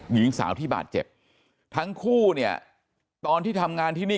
หญิงสาวที่บาดเจ็บทั้งคู่เนี่ยตอนที่ทำงานที่นี่